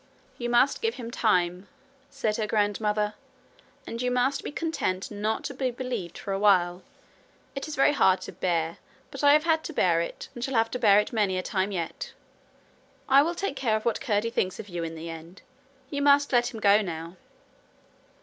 'You must give him time,' said her grandmother; 'and you must be content not to be believed for a while. It is very hard to bear; but I have had to bear it, and shall have to bear it many a time yet. I will take care of what Curdie thinks of you in the end. You must let him go now.'